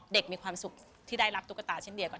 มีความสุขที่ได้รับตุ๊กตาเช่นเดียวกัน